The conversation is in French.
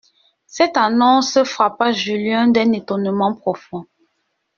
Cette annonce frappa Julien d'un étonnement profond.